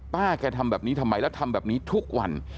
แกทำแบบนี้ทำไมแล้วทำแบบนี้ทุกวัน